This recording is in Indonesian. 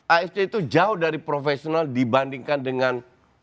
afc itu jauh dari profesional dibandingkan dengan